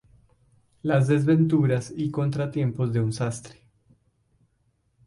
Las desventuras y contratiempos de un sastre.